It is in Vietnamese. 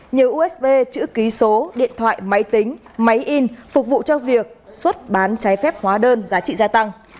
nhiều usb chữ ký số điện thoại máy tính máy in phục vụ cho việc xuất bán trái phép hóa đơn giá trị gia tăng